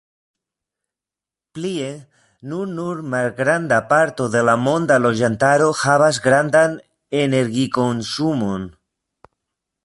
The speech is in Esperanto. Plie, nun nur malgranda parto de la monda loĝantaro havas grandan energikonsumon.